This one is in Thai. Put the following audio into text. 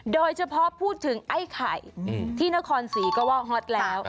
โดยเฉพาะพูดถึงไอ้ไข่ที่นครศรีก็ว่าฮอตแล้ว